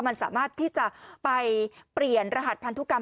มันสามารถที่จะไปเปลี่ยนรหัสพันธุกรรม